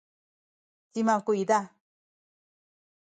cima kuyza?